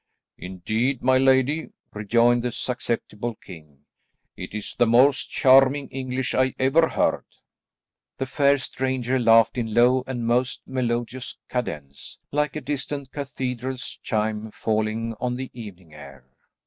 "Indeed, my lady," rejoined the susceptible king, "it is the most charming English I ever heard." The fair stranger laughed in low and most melodious cadence, like a distant cathedral's chime falling on the evening air.